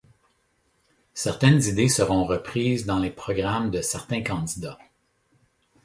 Certaines idées seront reprises dans les programmes de certains candidats.